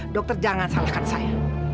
dokter jangan salahkan saya